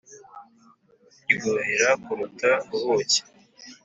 Biryohera kuruta ubuki